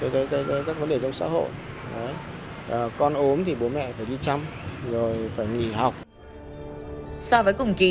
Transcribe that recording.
cái cái các vấn đề trong xã hội đấy con ốm thì bố mẹ phải đi chăm rồi phải nghỉ học so với cùng kỳ